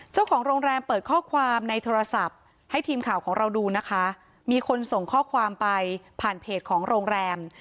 เจ้าของโรงแรมเปิดข้อความในโทรศัพท์ให้ทีมข่าวของเราดูนะคะมีคนส่งข้อความไปผ่านเพจของโรงแรม